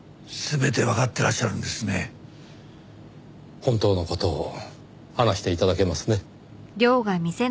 本当の事を話して頂けますね？